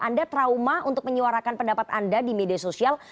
anda trauma untuk menyuarakan pendapat anda di media sosial